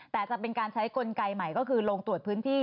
แต่จะเป็นการใช้กลไกใหม่ก็คือลงตรวจพื้นที่